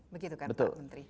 begitu kan pak menteri